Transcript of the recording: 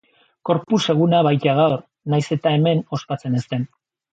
Corpus eguna baita gaur, nahiz eta hemen ospatzen ez den.